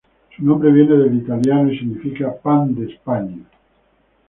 Su nombre viene del italiano y significa "pan de España".